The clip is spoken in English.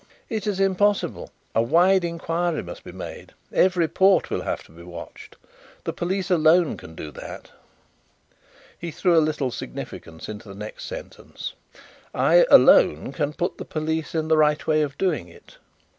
"It is impossible. A wide inquiry must be made. Every port will have to be watched. The police alone can do that." He threw a little significance into the next sentence. "I alone can put the police in the right way of doing it."